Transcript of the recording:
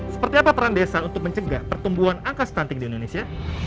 seperti apa peran desa untuk mencegah pertumbuhan angka stunting di indonesia